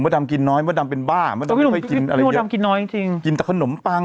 ผมกินไม่คุ้ม